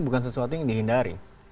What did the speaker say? bukan sesuatu yang dihindari